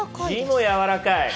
字もやわらかい。